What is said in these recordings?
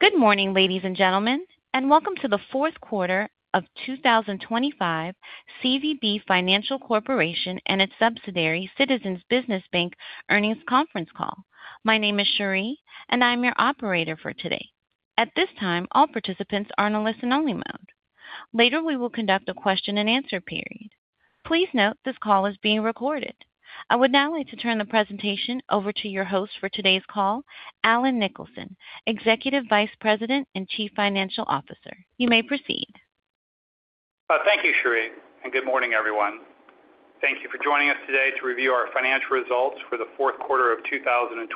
Good morning, ladies and gentlemen, and welcome to the fourth quarter of 2025 CVB Financial Corporation and its subsidiary, Citizens Business Bank, earnings conference call. My name is Cherie, and I'm your operator for today. At this time, all participants are in a listen-only mode. Later, we will conduct a question-and-answer period. Please note this call is being recorded. I would now like to turn the presentation over to your host for today's call, Allen Nicholson, Executive Vice President and Chief Financial Officer. You may proceed. Thank you, Cherie, and good morning, everyone. Thank you for joining us today to review our financial results for the fourth quarter of 2025.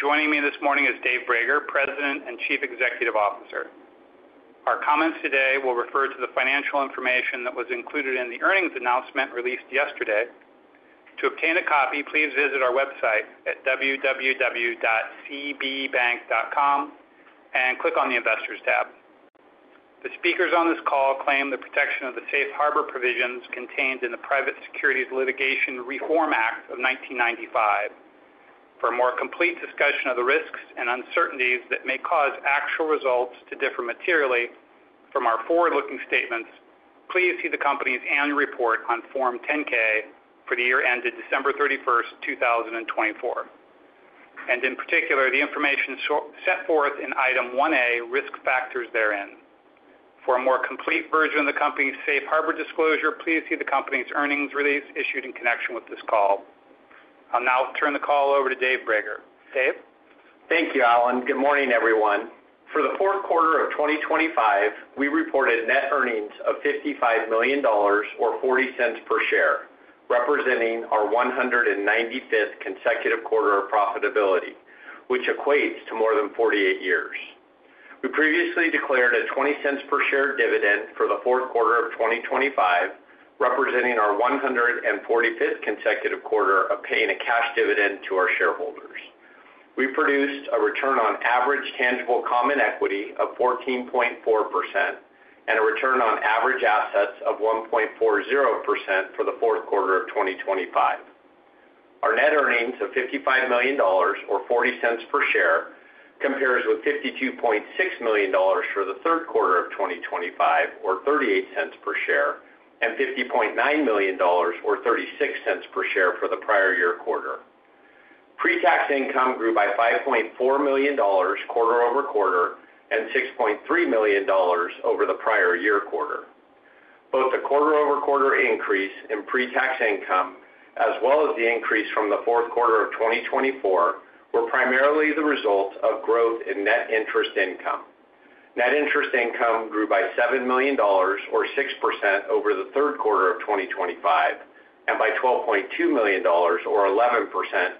Joining me this morning is Dave Brager, President and Chief Executive Officer. Our comments today will refer to the financial information that was included in the earnings announcement released yesterday. To obtain a copy, please visit our website at www.cbbank.com and click on the Investors tab. The speakers on this call claim the protection of the safe harbor provisions contained in the Private Securities Litigation Reform Act of 1995. For a more complete discussion of the risks and uncertainties that may cause actual results to differ materially from our forward-looking statements, please see the company's annual report on Form 10-K for the year ended December 31st, 2024, and in particular, the information set forth in Item 1A, risk factors therein. For a more complete version of the company's safe harbor disclosure, please see the company's earnings release issued in connection with this call. I'll now turn the call over to Dave Brager. Dave? Thank you, Allen. Good morning, everyone. For the fourth quarter of 2025, we reported net earnings of $55 million or $0.40 per share, representing our 195th consecutive quarter of profitability, which equates to more than 48 years. We previously declared a $0.20 per share dividend for the fourth quarter of 2025, representing our 145th consecutive quarter of paying a cash dividend to our shareholders. We produced a return on average tangible common equity of 14.4% and a return on average assets of 1.40% for the fourth quarter of 2025. Our net earnings of $55 million or $0.40 per share compares with $52.6 million for the third quarter of 2025, or $0.38 per share, and $50.9 million or $0.36 per share for the prior year quarter. Pre-tax income grew by $5.4 million quarter over quarter and $6.3 million over the prior year quarter. Both the quarter over quarter increase in pre-tax income, as well as the increase from the fourth quarter of 2024, were primarily the result of growth in net interest income. Net interest income grew by $7 million, or 6%, over the third quarter of 2025, and by $12.2 million, or 11%,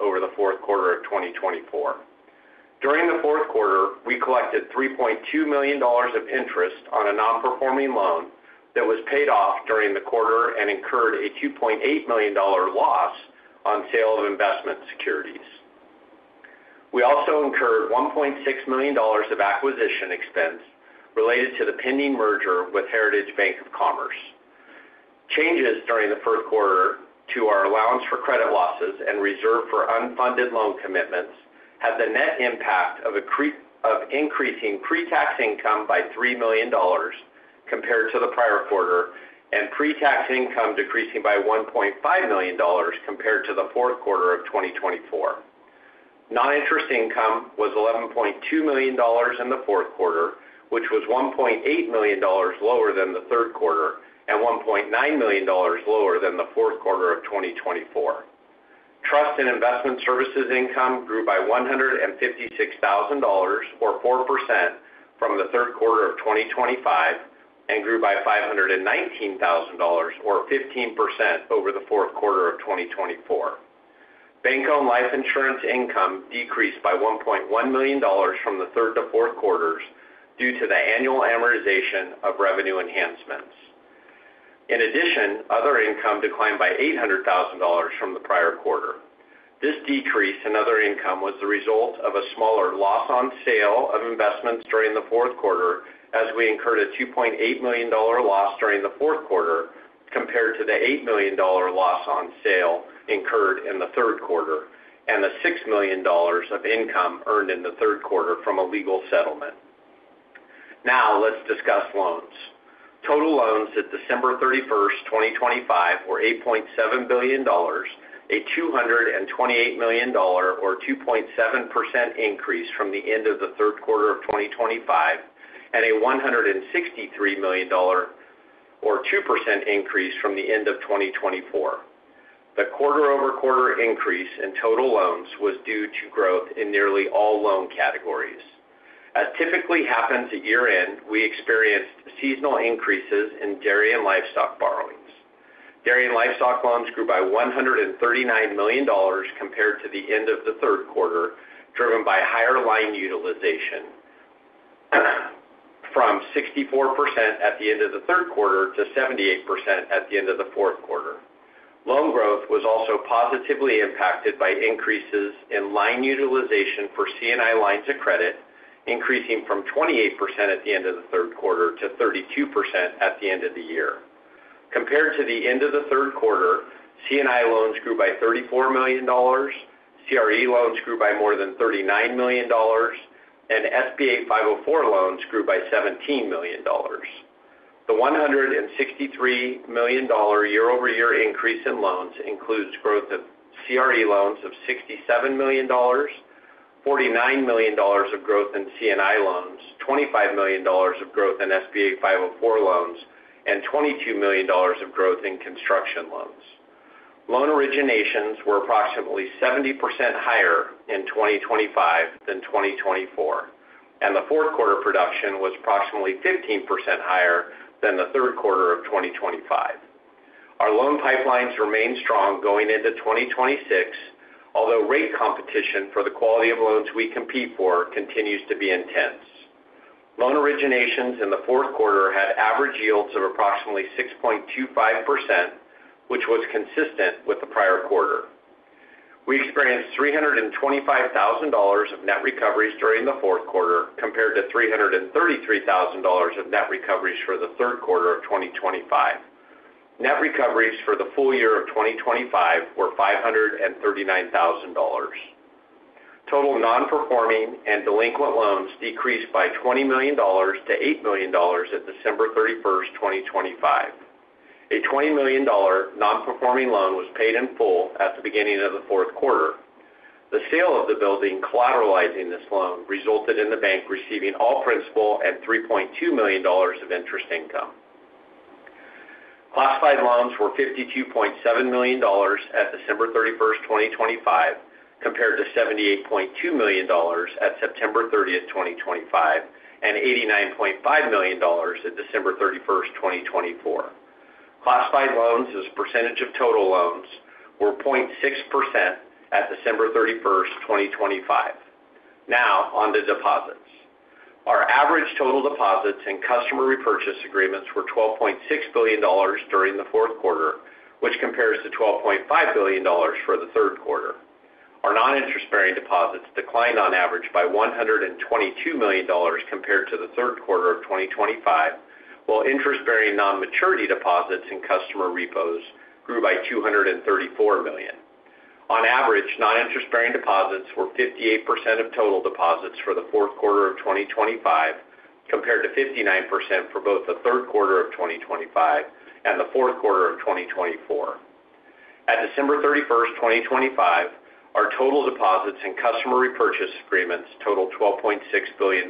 over the fourth quarter of 2024. During the fourth quarter, we collected $3.2 million of interest on a non-performing loan that was paid off during the quarter and incurred a $2.8 million loss on sale of investment securities. We also incurred $1.6 million of acquisition expense related to the pending merger with Heritage Bank of Commerce. Changes during the fourth quarter to our allowance for credit losses and reserve for unfunded loan commitments had the net impact of increasing pre-tax income by $3 million compared to the prior quarter and pre-tax income decreasing by $1.5 million compared to the fourth quarter of 2024. Non-interest income was $11.2 million in the fourth quarter, which was $1.8 million lower than the third quarter and $1.9 million lower than the fourth quarter of 2024. Trust and investment services income grew by $156,000, or 4%, from the third quarter of 2025 and grew by $519,000, or 15%, over the fourth quarter of 2024. Bank-owned life insurance income decreased by $1.1 million from the third to fourth quarters due to the annual amortization of revenue enhancements. In addition, other income declined by $800,000 from the prior quarter. This decrease in other income was the result of a smaller loss on sale of investments during the fourth quarter, as we incurred a $2.8 million loss during the fourth quarter compared to the $8 million loss on sale incurred in the third quarter and the $6 million of income earned in the third quarter from a legal settlement. Now, let's discuss loans. Total loans at December 31st, 2025, were $8.7 billion, a $228 million, or 2.7%, increase from the end of the third quarter of 2025, and a $163 million, or 2%, increase from the end of 2024. The quarter-over-quarter increase in total loans was due to growth in nearly all loan categories. As typically happens at year-end, we experienced seasonal increases in dairy and livestock borrowings. Dairy and livestock loans grew by $139 million compared to the end of the third quarter, driven by higher line utilization from 64% at the end of the third quarter to 78% at the end of the fourth quarter. Loan growth was also positively impacted by increases in line utilization for C&I lines of credit, increasing from 28% at the end of the third quarter to 32% at the end of the year. Compared to the end of the third quarter, C&I loans grew by $34 million, CRE loans grew by more than $39 million, and SBA 504 loans grew by $17 million. The $163 million year-over-year increase in loans includes growth of CRE loans of $67 million, $49 million of growth in C&I loans, $25 million of growth in SBA 504 loans, and $22 million of growth in construction loans. Loan originations were approximately 70% higher in 2025 than 2024, and the fourth quarter production was approximately 15% higher than the third quarter of 2025. Our loan pipelines remain strong going into 2026, although rate competition for the quality of loans we compete for continues to be intense. Loan originations in the fourth quarter had average yields of approximately 6.25%, which was consistent with the prior quarter. We experienced $325,000 of net recoveries during the fourth quarter compared to $333,000 of net recoveries for the third quarter of 2025. Net recoveries for the full year of 2025 were $539,000. Total non-performing and delinquent loans decreased by $20 million to $8 million at December 31st, 2025. A $20 million non-performing loan was paid in full at the beginning of the fourth quarter. The sale of the building collateralizing this loan resulted in the bank receiving all principal and $3.2 million of interest income. Classified loans were $52.7 million at December 31st, 2025, compared to $78.2 million at September 30th, 2025, and $89.5 million at December 31st, 2024. Classified loans as a percentage of total loans were 0.6% at December 31st, 2025. Now, on the deposits. Our average total deposits and customer repurchase agreements were $12.6 billion during the fourth quarter, which compares to $12.5 billion for the third quarter. Our non-interest-bearing deposits declined on average by $122 million compared to the third quarter of 2025, while interest-bearing non-maturity deposits in customer repos grew by $234 million. On average, non-interest-bearing deposits were 58% of total deposits for the fourth quarter of 2025, compared to 59% for both the third quarter of 2025 and the fourth quarter of 2024. At December 31st, 2025, our total deposits and customer repurchase agreements totaled $12.6 billion.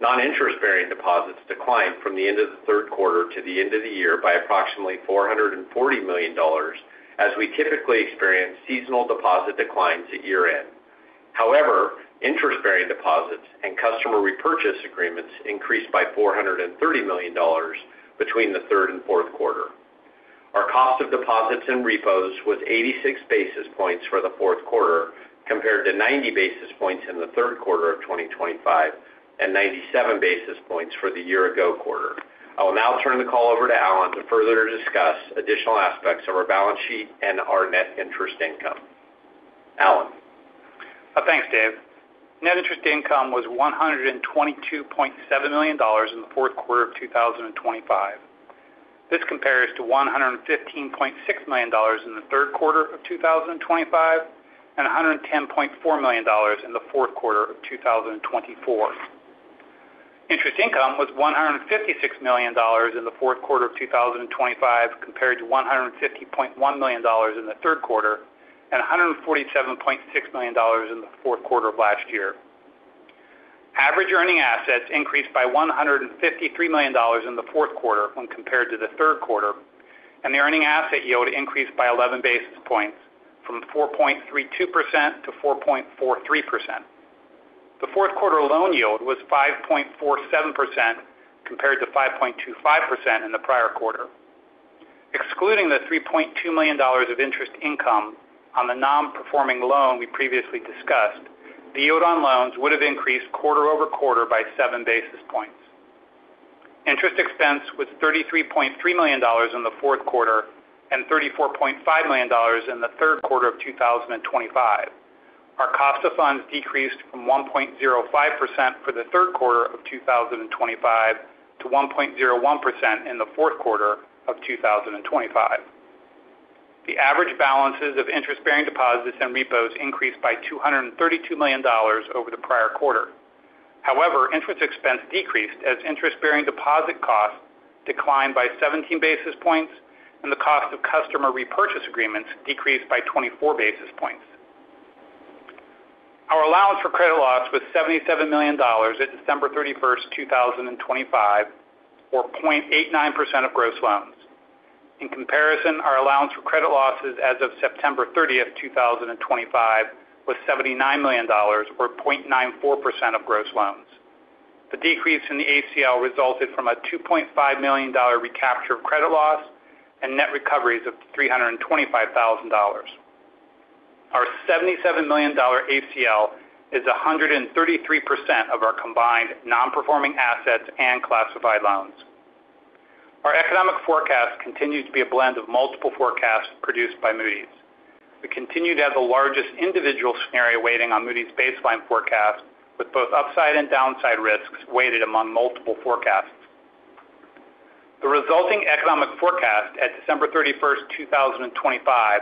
Non-interest-bearing deposits declined from the end of the third quarter to the end of the year by approximately $440 million, as we typically experience seasonal deposit declines at year-end. However, interest-bearing deposits and customer repurchase agreements increased by $430 million between the third and fourth quarter. Our cost of deposits and repos was 86 basis points for the fourth quarter, compared to 90 basis points in the third quarter of 2025 and 97 basis points for the year-ago quarter. I will now turn the call over to Allen to further discuss additional aspects of our balance sheet and our net interest income. Allen. Thanks, Dave. Net interest income was $122.7 million in the fourth quarter of 2025. This compares to $115.6 million in the third quarter of 2025 and $110.4 million in the fourth quarter of 2024. Interest income was $156 million in the fourth quarter of 2025, compared to $150.1 million in the third quarter and $147.6 million in the fourth quarter of last year. Average earning assets increased by $153 million in the fourth quarter when compared to the third quarter, and the earning asset yield increased by 11 basis points from 4.32% to 4.43%. The fourth quarter loan yield was 5.47%, compared to 5.25% in the prior quarter. Excluding the $3.2 million of interest income on the non-performing loan we previously discussed, the yield on loans would have increased quarter over quarter by 7 basis points. Interest expense was $33.3 million in the fourth quarter and $34.5 million in the third quarter of 2025. Our cost of funds decreased from 1.05% for the third quarter of 2025 to 1.01% in the fourth quarter of 2025. The average balances of interest-bearing deposits and repos increased by $232 million over the prior quarter. However, interest expense decreased as interest-bearing deposit costs declined by 17 basis points, and the cost of customer repurchase agreements decreased by 24 basis points. Our allowance for credit losses was $77 million at December 31st, 2025, or 0.89% of gross loans. In comparison, our allowance for credit losses as of September 30th, 2025, was $79 million, or 0.94% of gross loans. The decrease in the ACL resulted from a $2.5 million recapture of credit losses and net recoveries of $325,000. Our $77 million ACL is 133% of our combined non-performing assets and classified loans. Our economic forecast continues to be a blend of multiple forecasts produced by Moody's. We continue to have the largest individual scenario weighting on Moody's baseline forecast, with both upside and downside risks weighted among multiple forecasts. The resulting economic forecast at December 31st, 2025,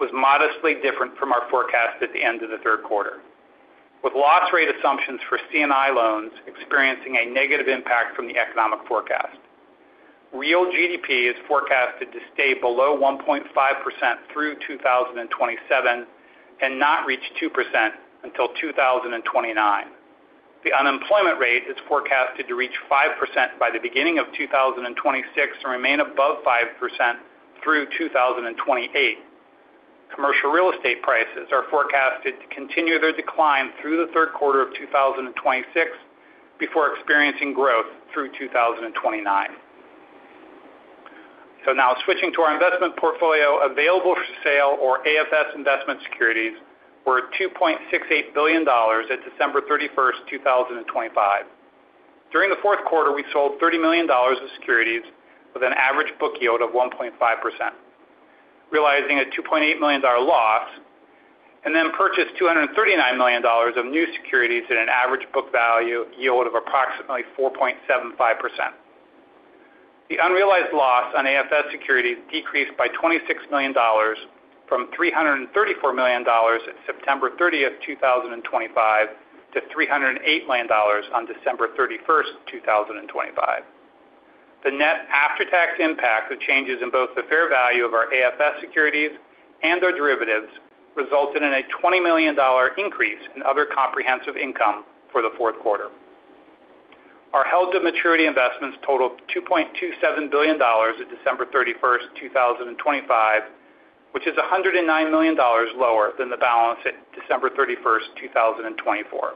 was modestly different from our forecast at the end of the third quarter, with loss rate assumptions for C&I loans experiencing a negative impact from the economic forecast. Real GDP is forecasted to stay below 1.5% through 2027 and not reach 2% until 2029. The unemployment rate is forecasted to reach 5% by the beginning of 2026 and remain above 5% through 2028. Commercial real estate prices are forecasted to continue their decline through the third quarter of 2026 before experiencing growth through 2029. So now, switching to our investment portfolio available for sale, or AFS investment securities, were $2.68 billion at December 31st, 2025. During the fourth quarter, we sold $30 million of securities with an average book yield of 1.5%, realizing a $2.8 million loss, and then purchased $239 million of new securities at an average book value yield of approximately 4.75%. The unrealized loss on AFS securities decreased by $26 million from $334 million at September 30th, 2025, to $308 million on December 31st, 2025. The net after-tax impact of changes in both the fair value of our AFS securities and our derivatives resulted in a $20 million increase in other comprehensive income for the fourth quarter. Our held-to-maturity investments totaled $2.27 billion at December 31st, 2025, which is $109 million lower than the balance at December 31st, 2024.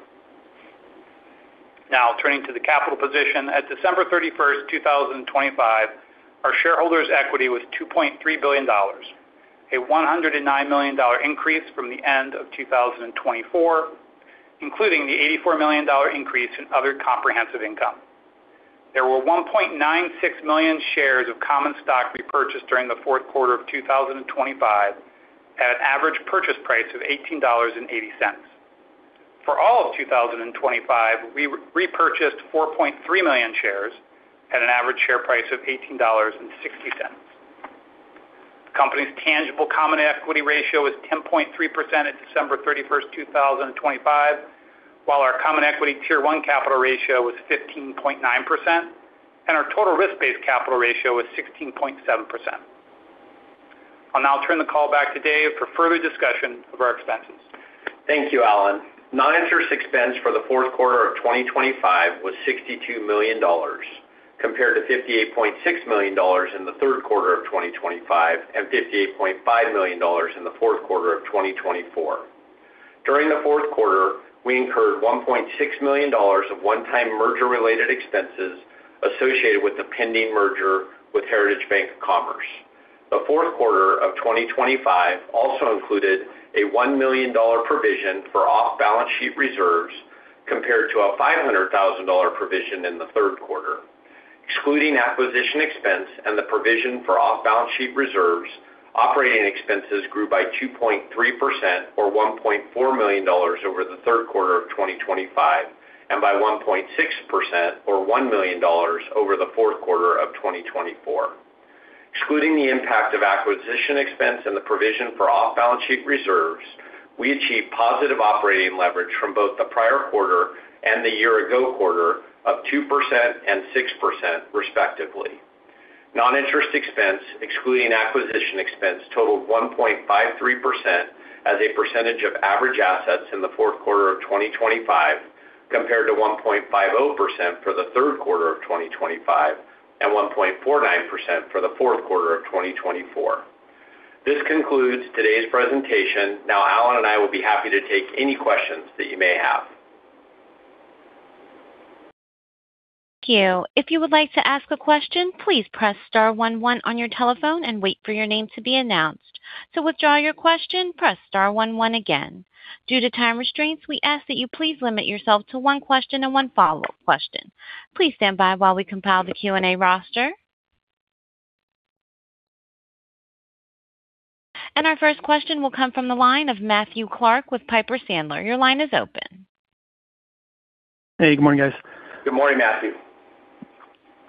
Now, turning to the capital position, at December 31st, 2025, our shareholders' equity was $2.3 billion, a $109 million increase from the end of 2024, including the $84 million increase in other comprehensive income. There were 1.96 million shares of common stock repurchased during the fourth quarter of 2025 at an average purchase price of $18.80. For all of 2025, we repurchased 4.3 million shares at an average share price of $18.60. The company's tangible common equity ratio was 10.3% at December 31st, 2025, while our common equity Tier-1 capital ratio was 15.9%, and our total risk-based capital ratio was 16.7%. I'll now turn the call back to Dave for further discussion of our expenses. Thank you, Allen. Noninterest expense for the fourth quarter of 2025 was $62 million, compared to $58.6 million in the third quarter of 2025 and $58.5 million in the fourth quarter of 2024. During the fourth quarter, we incurred $1.6 million of one-time merger-related expenses associated with the pending merger with Heritage Bank of Commerce. The fourth quarter of 2025 also included a $1 million provision for off-balance sheet reserves compared to a $500,000 provision in the third quarter. Excluding acquisition expense and the provision for off-balance sheet reserves, operating expenses grew by 2.3%, or $1.4 million over the third quarter of 2025, and by 1.6%, or $1 million over the fourth quarter of 2024. Excluding the impact of acquisition expense and the provision for off-balance sheet reserves, we achieved positive operating leverage from both the prior quarter and the year-ago quarter of 2% and 6%, respectively. Non-interest expense, excluding acquisition expense, totaled 1.53% as a percentage of average assets in the fourth quarter of 2025, compared to 1.50% for the third quarter of 2025 and 1.49% for the fourth quarter of 2024. This concludes today's presentation. Now, Allen and I will be happy to take any questions that you may have. Thank you. If you would like to ask a question, please press Star one one on your telephone and wait for your name to be announced. To withdraw your question, press Star one one again. Due to time restraints, we ask that you please limit yourself to one question and one follow-up question. Please stand by while we compile the Q&A roster. Our first question will come from the line of Matthew Clark with Piper Sandler. Your line is open. Hey, good morning, guys. Good morning, Matthew.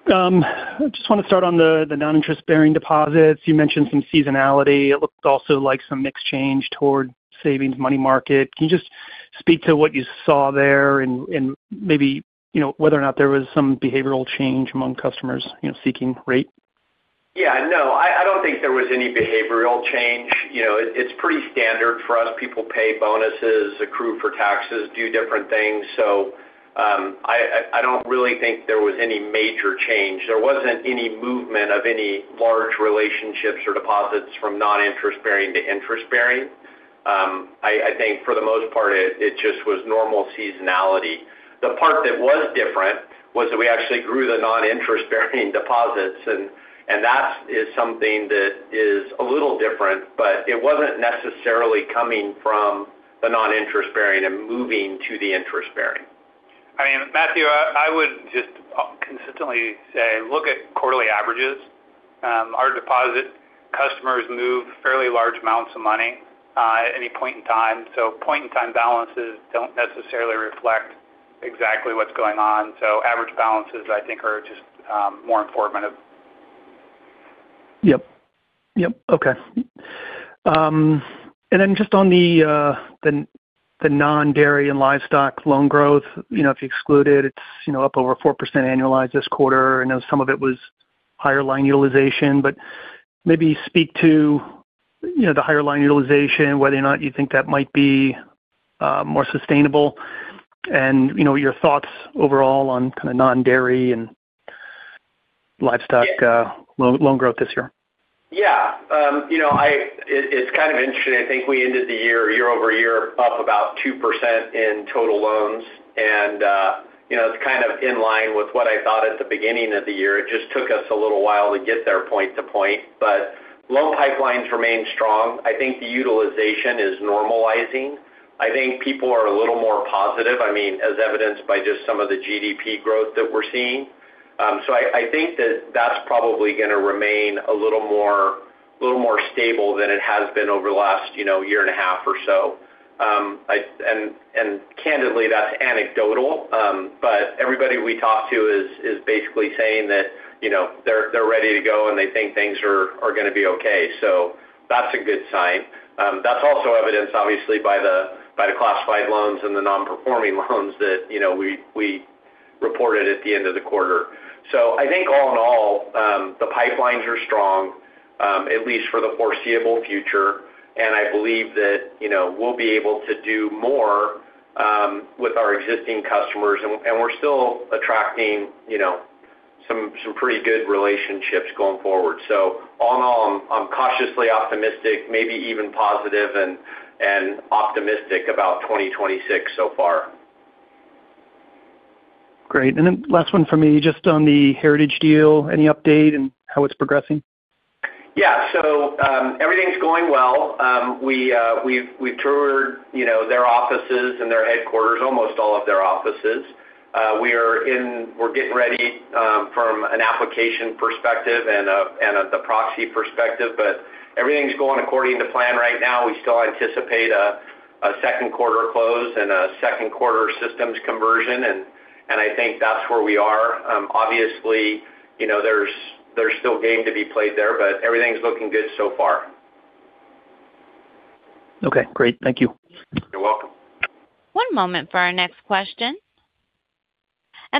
I just want to start on the noninterest-bearing deposits. You mentioned some seasonality. It looked also like some mixed change toward savings money market. Can you just speak to what you saw there and maybe whether or not there was some behavioral change among customers seeking rate? Yeah, no, I don't think there was any behavioral change. It's pretty standard for us. People pay bonuses, accrue for taxes, do different things. So I don't really think there was any major change. There wasn't any movement of any large relationships or deposits from non-interest-bearing to interest-bearing. I think for the most part, it just was normal seasonality. The part that was different was that we actually grew the non-interest-bearing deposits, and that is something that is a little different, but it wasn't necessarily coming from the non-interest-bearing and moving to the interest-bearing. I mean, Matthew, I would just consistently say, look at quarterly averages. Our deposit customers move fairly large amounts of money at any point in time. So point-in-time balances don't necessarily reflect exactly what's going on. So average balances, I think, are just more informative. Yep. Yep. Okay. And then just on the non-dairy and livestock loan growth, if you excluded, it's up over 4% annualized this quarter. I know some of it was higher line utilization, but maybe speak to the higher line utilization, whether or not you think that might be more sustainable, and your thoughts overall on kind of non-dairy and livestock loan growth this year. Yeah. It's kind of interesting. I think we ended the year year-over-year up about 2% in total loans, and it's kind of in line with what I thought at the beginning of the year. It just took us a little while to get there point to point, but loan pipelines remain strong. I think the utilization is normalizing. I think people are a little more positive, I mean, as evidenced by just some of the GDP growth that we're seeing, so I think that that's probably going to remain a little more stable than it has been over the last year and a half or so, and candidly, that's anecdotal, but everybody we talk to is basically saying that they're ready to go and they think things are going to be okay, so that's a good sign. That's also evidenced, obviously, by the classified loans and the non-performing loans that we reported at the end of the quarter. So I think all in all, the pipelines are strong, at least for the foreseeable future, and I believe that we'll be able to do more with our existing customers, and we're still attracting some pretty good relationships going forward. So all in all, I'm cautiously optimistic, maybe even positive and optimistic about 2026 so far. Great. And then last one from me, just on the Heritage deal, any update and how it's progressing? Yeah. So everything's going well. We've toured their offices and their headquarters, almost all of their offices. We're getting ready from an application perspective and the proxy perspective, but everything's going according to plan right now. We still anticipate a second quarter close and a second quarter systems conversion, and I think that's where we are. Obviously, there's still game to be played there, but everything's looking good so far. Okay. Great. Thank you. You're welcome. One moment for our next question.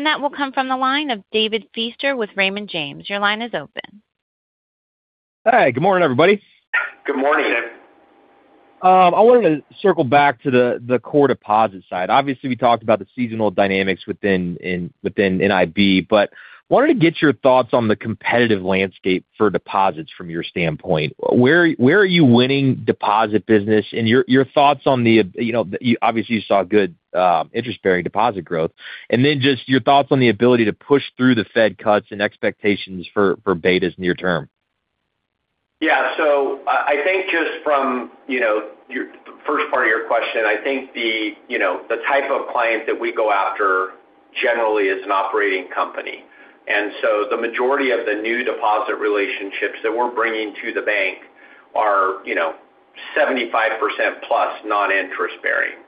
That will come from the line of David Feaster with Raymond James. Your line is open. Hi. Good morning, everybody. Good morning. I wanted to circle back to the core deposit side. Obviously, we talked about the seasonal dynamics within NIB, but wanted to get your thoughts on the competitive landscape for deposits from your standpoint. Where are you winning deposit business? And your thoughts on the obviously, you saw good interest-bearing deposit growth. And then just your thoughts on the ability to push through the Fed cuts and expectations for betas near term. Yeah. So I think just from the first part of your question, I think the type of client that we go after generally is an operating company. And so the majority of the new deposit relationships that we're bringing to the bank are 75%+ non-interest-bearing.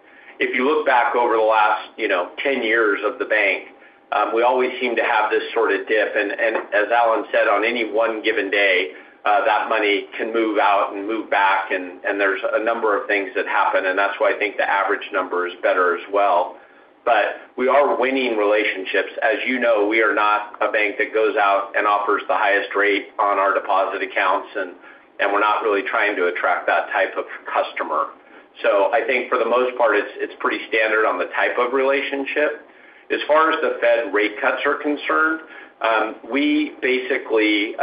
If you look back over the last 10 years of the bank, we always seem to have this sort of dip. And as Allen said, on any one given day, that money can move out and move back, and there's a number of things that happen. And that's why I think the average number is better as well. But we are winning relationships. As you know, we are not a bank that goes out and offers the highest rate on our deposit accounts, and we're not really trying to attract that type of customer. So I think for the most part, it's pretty standard on the type of relationship. As far as the Fed rate cuts are concerned, we basically,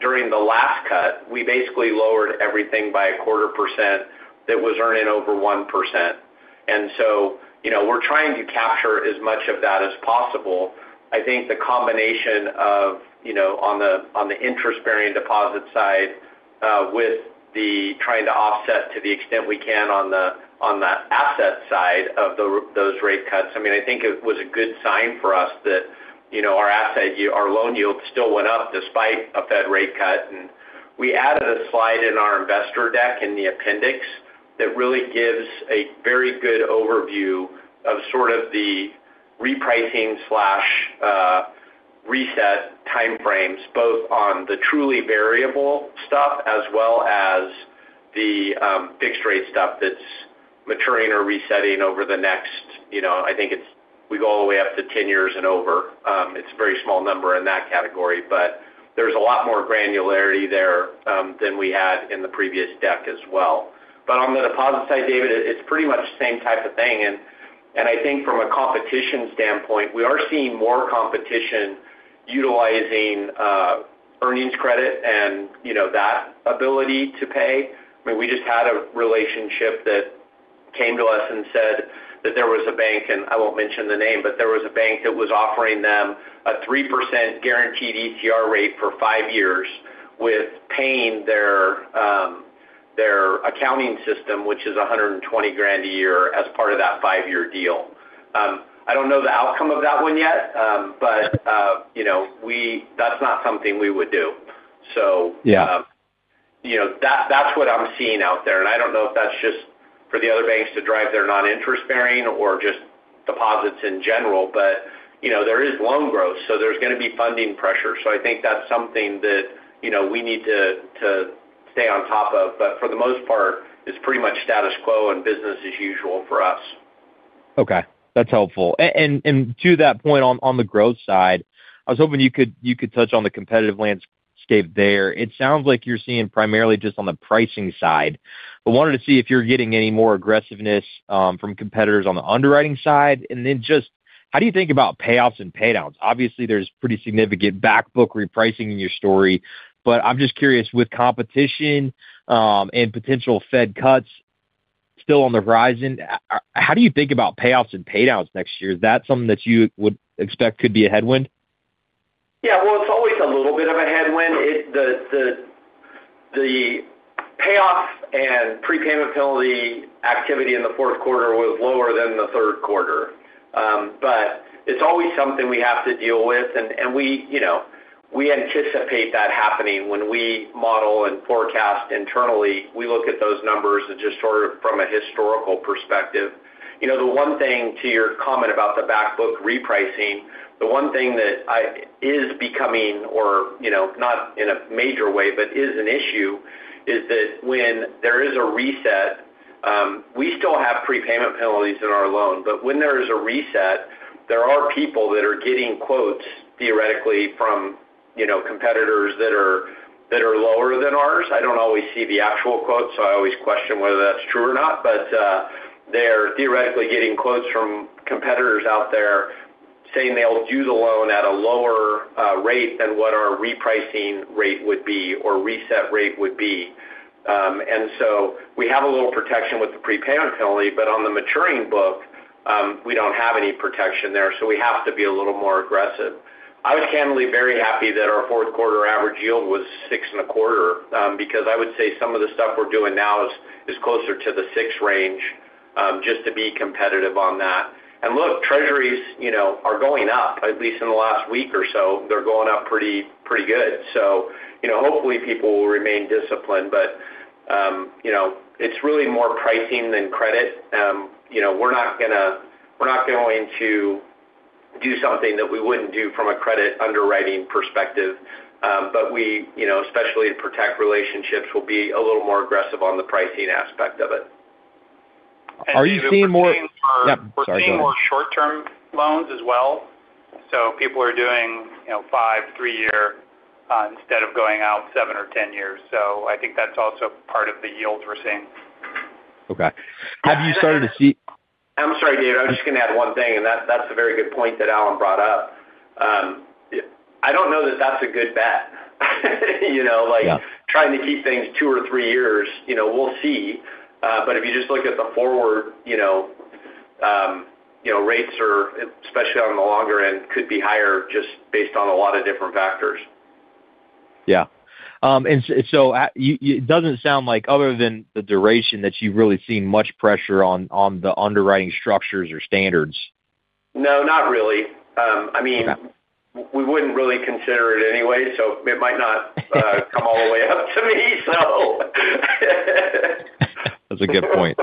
during the last cut, we basically lowered everything by 0.25% that was earning over 1%. And so we're trying to capture as much of that as possible. I think the combination of on the interest-bearing deposit side with the trying to offset to the extent we can on the asset side of those rate cuts, I mean, I think it was a good sign for us that our asset, our loan yield still went up despite a Fed rate cut. And we added a slide in our investor deck in the appendix that really gives a very good overview of sort of the repricing/reset timeframes, both on the truly variable stuff as well as the fixed-rate stuff that's maturing or resetting over the next. I think we go all the way up to 10 years and over. It's a very small number in that category, but there's a lot more granularity there than we had in the previous deck as well. But on the deposit side, David, it's pretty much the same type of thing. And I think from a competition standpoint, we are seeing more competition utilizing earnings credit and that ability to pay. I mean, we just had a relationship that came to us and said that there was a bank, and I won't mention the name, but there was a bank that was offering them a 3% guaranteed ECR rate for five years with paying their accounting system, which is $120,000 a year as part of that five-year deal. I don't know the outcome of that one yet, but that's not something we would do, so that's what I'm seeing out there. And I don't know if that's just for the other banks to drive their non-interest-bearing or just deposits in general, but there is loan growth, so there's going to be funding pressure. So I think that's something that we need to stay on top of. But for the most part, it's pretty much status quo and business as usual for us. Okay. That's helpful. And to that point on the growth side, I was hoping you could touch on the competitive landscape there. It sounds like you're seeing primarily just on the pricing side. I wanted to see if you're getting any more aggressiveness from competitors on the underwriting side. And then just how do you think about payoffs and paydowns? Obviously, there's pretty significant backbook repricing in your story, but I'm just curious, with competition and potential Fed cuts still on the horizon, how do you think about payoffs and paydowns next year? Is that something that you would expect could be a headwind? Yeah. Well, it's always a little bit of a headwind. The payoffs and prepayment penalty activity in the fourth quarter was lower than the third quarter. But it's always something we have to deal with, and we anticipate that happening when we model and forecast internally. We look at those numbers just sort of from a historical perspective. The one thing to your comment about the backbook repricing, the one thing that is becoming, or not in a major way, but is an issue is that when there is a reset, we still have prepayment penalties in our loan. But when there is a reset, there are people that are getting quotes theoretically from competitors that are lower than ours. I don't always see the actual quotes, so I always question whether that's true or not, but they're theoretically getting quotes from competitors out there saying they'll do the loan at a lower rate than what our repricing rate would be or reset rate would be, and so we have a little protection with the prepayment penalty, but on the maturing book, we don't have any protection there, so we have to be a little more aggressive. I was candidly very happy that our fourth quarter average yield was 6.25 because I would say some of the stuff we're doing now is closer to the 6 range just to be competitive on that, and look, treasuries are going up, at least in the last week or so. They're going up pretty good, so hopefully, people will remain disciplined, but it's really more pricing than credit. We're not going to do something that we wouldn't do from a credit underwriting perspective, but we, especially to protect relationships, will be a little more aggressive on the pricing aspect of it. Are you seeing more? Yeah. We're seeing more short-term loans as well. So people are doing five, three-year instead of going out seven or 10 years. So I think that's also part of the yields we're seeing. Okay. Have you started to see? I'm sorry, David. I was just going to add one thing, and that's a very good point that Allen brought up. I don't know that that's a good bet. Trying to keep things two or three years, we'll see. But if you just look at the forward, rates are, especially on the longer end, could be higher just based on a lot of different factors. Yeah. And so it doesn't sound like, other than the duration, that you've really seen much pressure on the underwriting structures or standards. No, not really. I mean, we wouldn't really consider it anyway, so it might not come all the way up to me, so. That's a good point.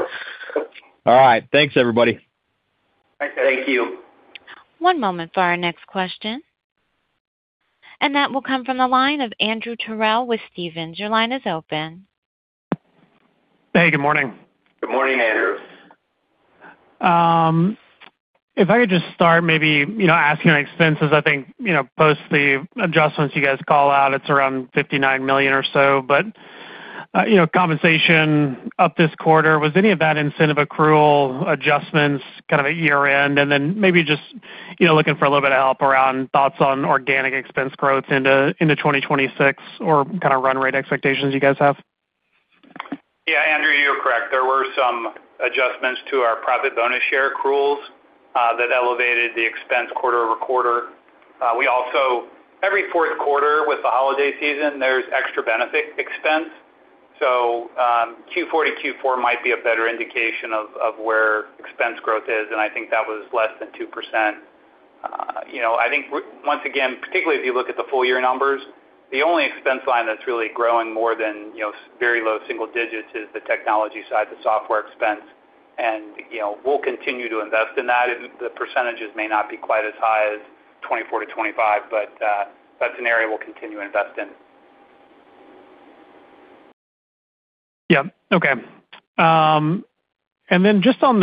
All right. Thanks, everybody. Thank you. One moment for our next question. And that will come from the line of Andrew Terrell with Stephens. Your line is open. Hey, good morning. Good morning, Andrew. If I could just start maybe asking on expenses, I think post the adjustments you guys call out, it's around $59 million or so. But compensation up this quarter, was any of that incentive accrual adjustments kind of at year-end? And then maybe just looking for a little bit of help around thoughts on organic expense growth into 2026 or kind of run rate expectations you guys have. Yeah, Andrew, you're correct. There were some adjustments to our profit bonus share accruals that elevated the expense quarter over quarter. Every fourth quarter with the holiday season, there's extra benefit expense. So Q4 to Q4 might be a better indication of where expense growth is, and I think that was less than 2%. I think, once again, particularly if you look at the full-year numbers, the only expense line that's really growing more than very low single digits is the technology side, the software expense. And we'll continue to invest in that. The percentages may not be quite as high as 24%-25%, but that's an area we'll continue to invest in. Yeah. Okay. And then just on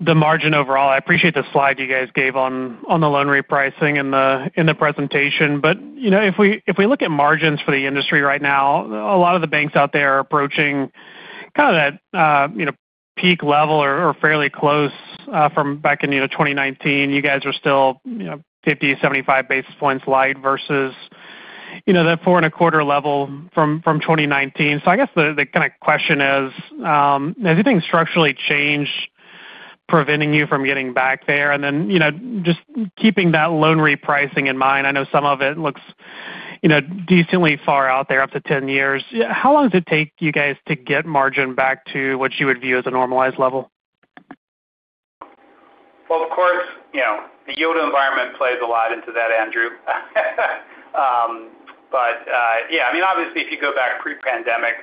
the margin overall, I appreciate the slide you guys gave on the loan repricing in the presentation. But if we look at margins for the industry right now, a lot of the banks out there are approaching kind of that peak level or fairly close from back in 2019. You guys are still 50, 75 basis points light versus that four and a quarter level from 2019. So I guess the kind of question is, has anything structurally changed preventing you from getting back there? And then just keeping that loan repricing in mind, I know some of it looks decently far out there, up to 10 years. How long does it take you guys to get margin back to what you would view as a normalized level? Of course, the yield environment plays a lot into that, Andrew. But yeah, I mean, obviously, if you go back pre-pandemic,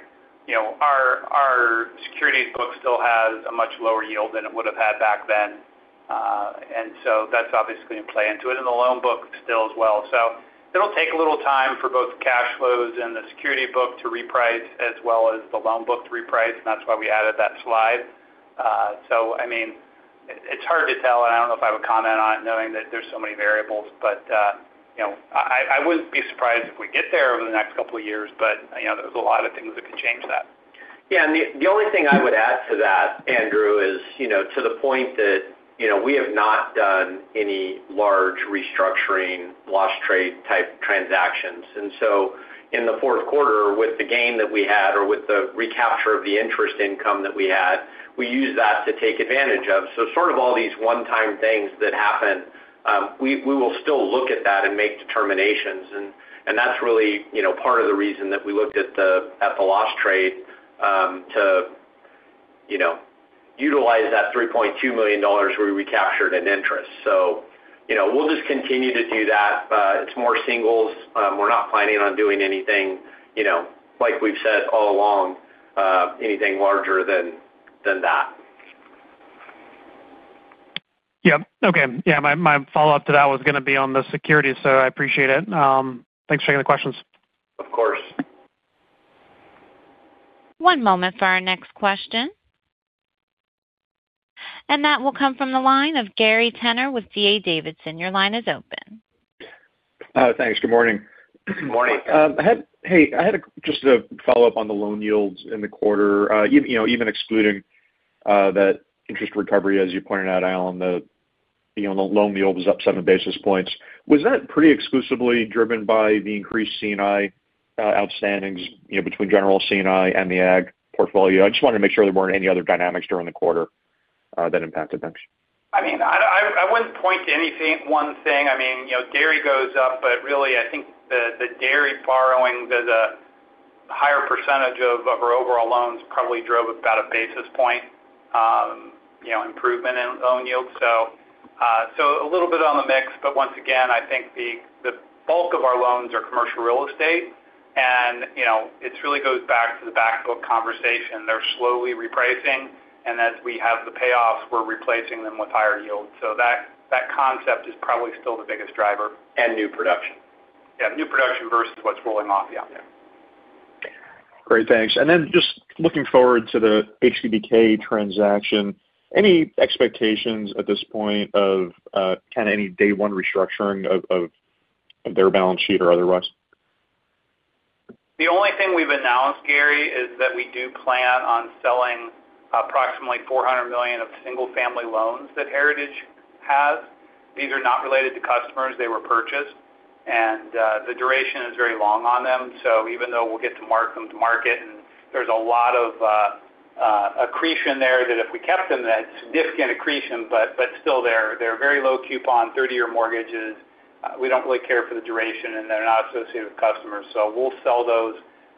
our securities book still has a much lower yield than it would have had back then. And so that's obviously going to play into it. And the loan book still as well. So it'll take a little time for both cash flows and the security book to reprice as well as the loan book to reprice. And that's why we added that slide. So I mean, it's hard to tell, and I don't know if I have a comment on it knowing that there's so many variables. But I wouldn't be surprised if we get there over the next couple of years, but there's a lot of things that could change that. Yeah. And the only thing I would add to that, Andrew, is to the point that we have not done any large restructuring, loss trade type transactions. And so in the fourth quarter, with the gain that we had or with the recapture of the interest income that we had, we used that to take advantage of. So sort of all these one-time things that happen, we will still look at that and make determinations. And that's really part of the reason that we looked at the loss trade to utilize that $3.2 million where we recaptured in interest. So we'll just continue to do that. It's more singles. We're not planning on doing anything, like we've said all along, anything larger than that. Yep. Okay. Yeah. My follow-up to that was going to be on the security, so I appreciate it. Thanks for taking the questions. Of course. One moment for our next question, and that will come from the line of Gary Tenner with D.A. Davidson. Your line is open. Thanks. Good morning. Good morning. Hey, I had just a follow-up on the loan yields in the quarter, even excluding that interest recovery, as you pointed out, Allen, that the loan yield was up seven basis points. Was that pretty exclusively driven by the increased C&I outstandings between general C&I and the ag portfolio? I just wanted to make sure there weren't any other dynamics during the quarter that impacted things. I mean, I wouldn't point to any one thing. I mean, dairy goes up, but really, I think the dairy borrowing, the higher percentage of our overall loans probably drove about a basis point improvement in loan yields. So a little bit on the mix. But once again, I think the bulk of our loans are commercial real estate. And it really goes back to the backbook conversation. They're slowly repricing. And as we have the payoffs, we're replacing them with higher yield. So that concept is probably still the biggest driver. New production. Yeah. New production versus what's rolling off the out there. Great. Thanks. And then just looking forward to the HTBK transaction, any expectations at this point of kind of any day-one restructuring of their balance sheet or otherwise? The only thing we've announced, Gary, is that we do plan on selling approximately $400 million of single-family loans that Heritage has. These are not related to customers. They were purchased. And the duration is very long on them. So even though we'll get to mark them to market, and there's a lot of accretion there that if we kept them, that's significant accretion, but still, they're very low coupon, 30-year mortgages. We don't really care for the duration, and they're not associated with customers. So we'll sell those,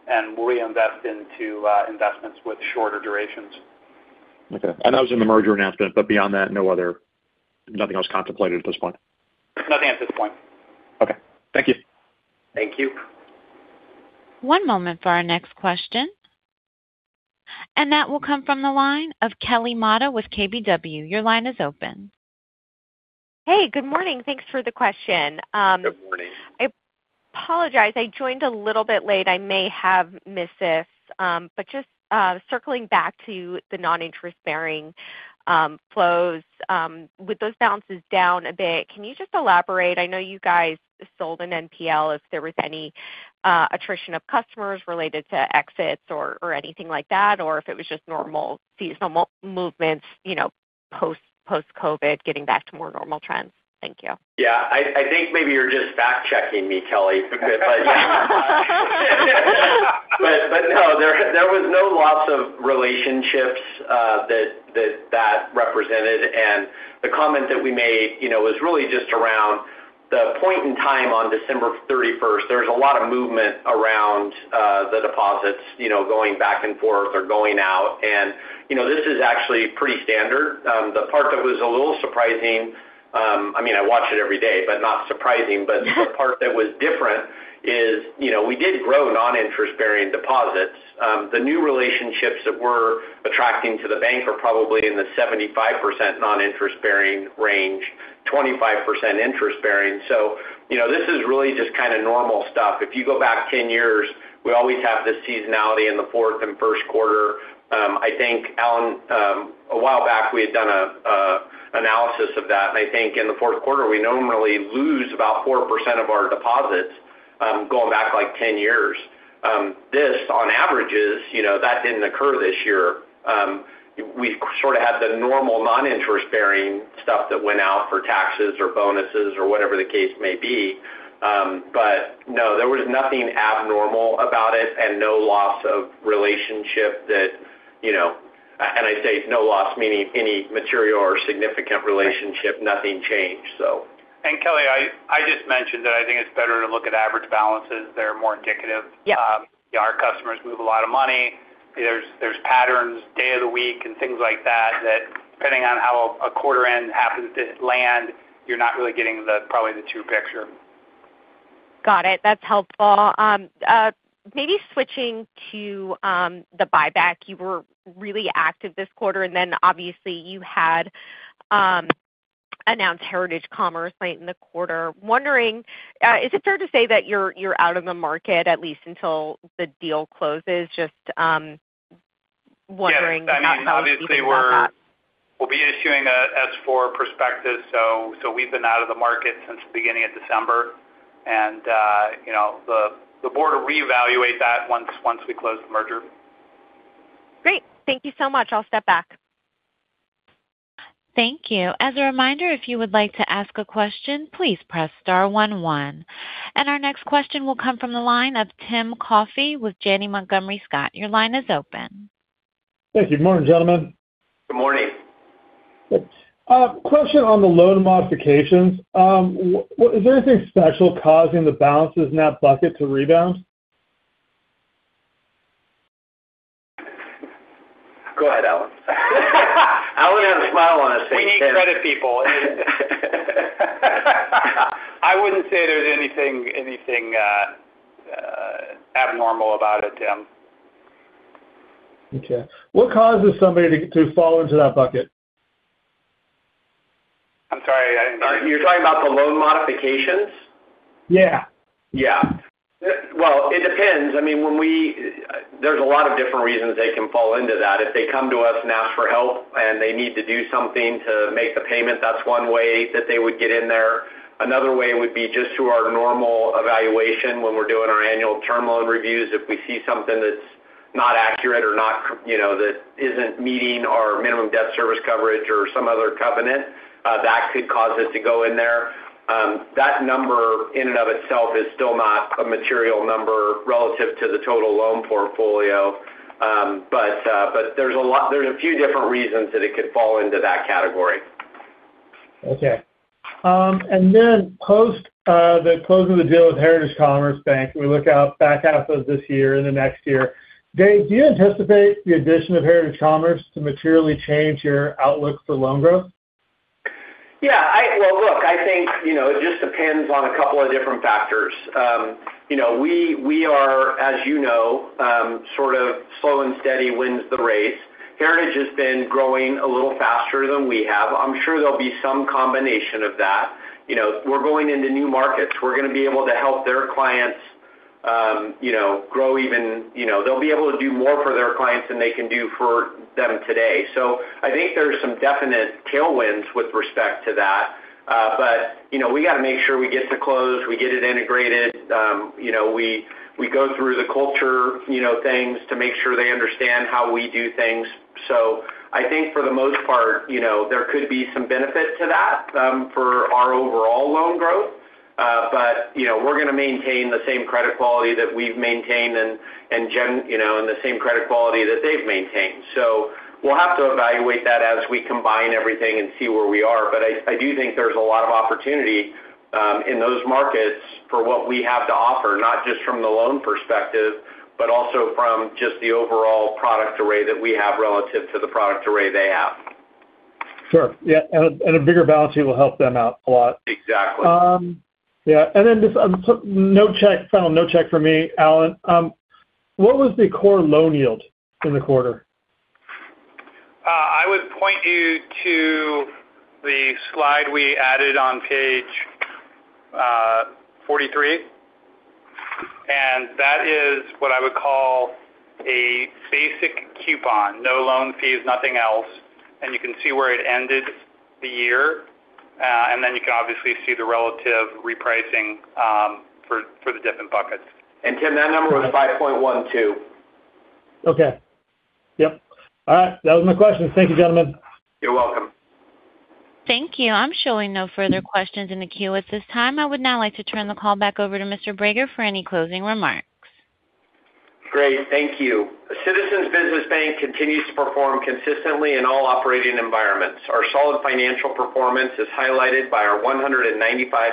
and we'll reinvest into investments with shorter durations. Okay. And that was in the merger announcement, but beyond that, nothing else contemplated at this point? Nothing at this point. Okay. Thank you. Thank you. One moment for our next question. And that will come from the line of Kelly Motta with KBW. Your line is open. Hey, good morning. Thanks for the question. Good morning. I apologize. I joined a little bit late. I may have missed this. But just circling back to the non-interest-bearing flows, with those balances down a bit, can you just elaborate? I know you guys sold an NPL. If there was any attrition of customers related to exits or anything like that, or if it was just normal seasonal movements post-COVID getting back to more normal trends. Thank you. Yeah. I think maybe you're just fact-checking me, Kelly. But no, there was no loss of relationships that that represented. And the comment that we made was really just around the point in time on December 31st. There was a lot of movement around the deposits going back and forth or going out. And this is actually pretty standard. The part that was a little surprising, I mean, I watch it every day, but not surprising, but the part that was different is we did grow non-interest-bearing deposits. The new relationships that we're attracting to the bank are probably in the 75% non-interest-bearing range, 25% interest-bearing. So this is really just kind of normal stuff. If you go back 10 years, we always have this seasonality in the fourth and first quarter. I think, Allen, a while back, we had done an analysis of that. I think in the fourth quarter, we normally lose about 4% of our deposits going back like 10 years. This, on average, that didn't occur this year. We sort of had the normal non-interest-bearing stuff that went out for taxes or bonuses or whatever the case may be. But no, there was nothing abnormal about it and no loss of relationship that, and I say no loss, meaning any material or significant relationship, nothing changed, so. And Kelly, I just mentioned that I think it's better to look at average balances. They're more indicative. Our customers move a lot of money. There's patterns, day of the week, and things like that that, depending on how a quarter end happens to land, you're not really getting probably the true picture. Got it. That's helpful. Maybe switching to the buyback. You were really active this quarter. And then, obviously, you had announced Heritage Bank of Commerce late in the quarter. Is it fair to say that you're out of the market, at least until the deal closes? Just wondering how that's worked out. Yes. I mean, obviously, we'll be issuing a S-4 prospectus. So we've been out of the market since the beginning of December. And the board will reevaluate that once we close the merger. Great. Thank you so much. I'll step back. Thank you. As a reminder, if you would like to ask a question, please press star 11. Our next question will come from the line of Tim Coffey with Janney Montgomery Scott. Your line is open. Thank you. Good morning, gentlemen. Good morning. Good. Question on the loan modifications. Is there anything special causing the balances in that bucket to rebound? Go ahead, Allen. I would have a smile on a sink head. We need credit people. I wouldn't say there's anything abnormal about it, Tim. Okay. What causes somebody to fall into that bucket? I'm sorry. You're talking about the loan modifications? Yeah. Yeah. Well, it depends. I mean, there's a lot of different reasons they can fall into that. If they come to us and ask for help and they need to do something to make the payment, that's one way that they would get in there. Another way would be just through our normal evaluation when we're doing our annual term loan reviews. If we see something that's not accurate or that isn't meeting our minimum debt service coverage or some other covenant, that could cause it to go in there. That number in and of itself is still not a material number relative to the total loan portfolio. But there's a few different reasons that it could fall into that category. Okay. And then post the closing of the deal with Heritage Bank of Commerce, we look out back half of this year and the next year. Dave, do you anticipate the addition of Heritage Bank of Commerce to materially change your outlook for loan growth? Yeah. Well, look, I think it just depends on a couple of different factors. We are, as you know, sort of slow and steady wins the race. Heritage has been growing a little faster than we have. I'm sure there'll be some combination of that. We're going into new markets. We're going to be able to help their clients grow even. They'll be able to do more for their clients than they can do for them today. So I think there's some definite tailwinds with respect to that. But we got to make sure we get to close, we get it integrated. We go through the culture things to make sure they understand how we do things. So I think for the most part, there could be some benefit to that for our overall loan growth. But we're going to maintain the same credit quality that we've maintained and the same credit quality that they've maintained. So we'll have to evaluate that as we combine everything and see where we are. But I do think there's a lot of opportunity in those markets for what we have to offer, not just from the loan perspective, but also from just the overall product array that we have relative to the product array they have. Sure. Yeah, and a bigger balance sheet will help them out a lot. Exactly. Yeah. And then just final note check from me, Allen. What was the core loan yield in the quarter? I would point you to the slide we added on page 43. And that is what I would call a basic coupon, no loan fees, nothing else. And you can see where it ended the year. And then you can obviously see the relative repricing for the different buckets. Tim, that number was 5.12. Okay. Yep. All right. That was my question. Thank you, gentlemen. You're welcome. Thank you. I'm showing no further questions in the queue at this time. I would now like to turn the call back over to Mr. Brager for any closing remarks. Great. Thank you. Citizens Business Bank continues to perform consistently in all operating environments. Our solid financial performance is highlighted by our 195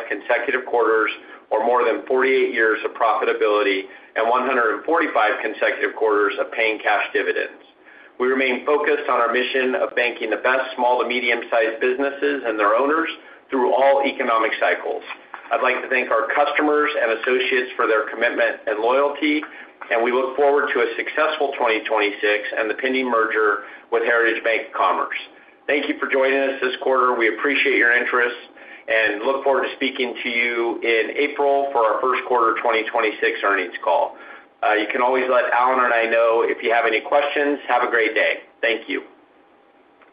consecutive quarters or more than 48 years of profitability and 145 consecutive quarters of paying cash dividends. We remain focused on our mission of banking the best small to medium-sized businesses and their owners through all economic cycles. I'd like to thank our customers and associates for their commitment and loyalty. We look forward to a successful 2026 and the pending merger with Heritage Bank of Commerce. Thank you for joining us this quarter. We appreciate your interest and look forward to speaking to you in April for our first quarter 2026 earnings call. You can always let Allen and I know if you have any questions. Have a great day. Thank you.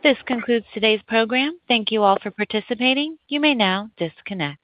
This concludes today's program. Thank you all for participating. You may now disconnect.